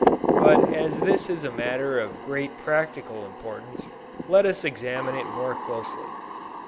But as this is a matter of great practical importance, let us examine it more closely.